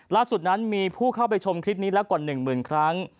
ล่าสุดนั้นมีผู้เข้าไปชมคลิปนี้แล้วกว่า๑หมื่นครั้ง